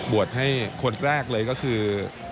ให้คนแรกเลยก็คือ